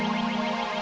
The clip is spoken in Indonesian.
ini sunny ini eva